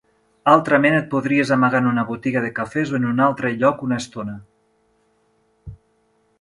Altrament et podries amagar en una botiga de cafès o en un altre lloc una estona.